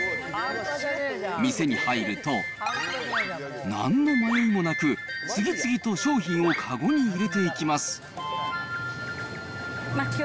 店に入ると、なんの迷いもなく、次々と商品を籠に入れていきます。